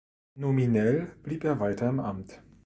Nominell blieb er weiter im Amt.